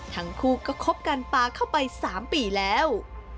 ทั้งคู่ก็คบกันปลาเข้าไป๓ปีแล้ว